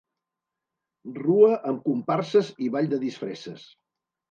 Rua amb comparses i ball de disfresses.